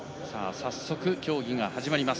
早速、競技が始まります。